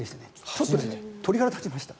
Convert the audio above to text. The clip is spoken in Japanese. ちょっと鳥肌が立ちました。